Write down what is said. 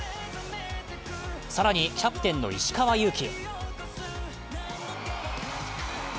更にキャプテンの石川祐希。